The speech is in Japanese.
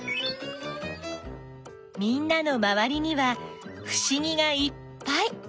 みんなのまわりにはふしぎがいっぱい！